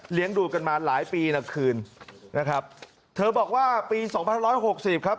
ดูกันมาหลายปีละคืนนะครับเธอบอกว่าปีสองพันร้อยหกสิบครับ